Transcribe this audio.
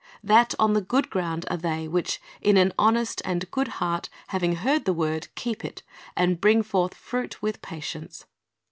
"That on the good ground are they, which, in an honest and good heart, having heard the word, keep it, and bring forth fruit with patience."